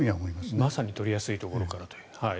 まさに取りやすいところからと。